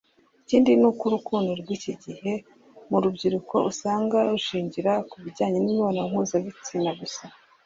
Ikindi ni uko urukundo rw’iki gihe mu rubyiruko usanga rushingira ku bijyanye n’imibonano mpuzabitsina gusa